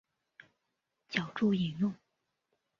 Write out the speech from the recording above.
脚注引用